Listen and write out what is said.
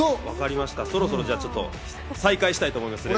じゃあそろそろ再開したいと思います。